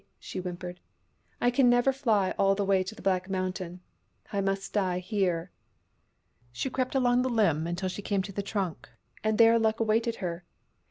she whimpered. " I can never fly all the way to the Black Mountain. I must die here." She crept along the limb until she came to the trunk, and there luck awaited her.